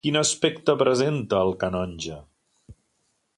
Quin aspecte presenta el canonge?